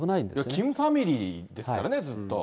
キムファミリーですからね、ずっと。